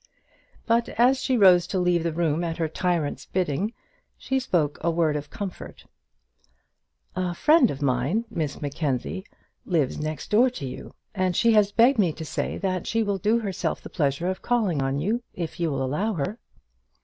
But, as she rose to leave the room at her tyrant's bidding, she spoke a word of comfort. "A friend of mine, Miss Mackenzie, lives next door to you, and she has begged me to say that she will do herself the pleasure of calling on you, if you will allow her."